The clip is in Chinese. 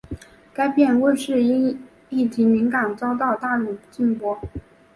该片问世时因议题敏感遭到大陆禁播。